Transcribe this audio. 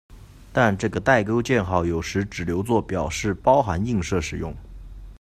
但这个带钩箭号有时只留作表示包含映射时用。